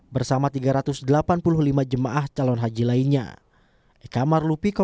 bersama tiga ratus delapan puluh lima jemaah calon haji lainnya